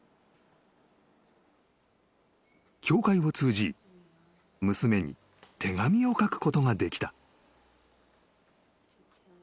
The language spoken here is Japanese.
［協会を通じ娘に手紙を書くことができた］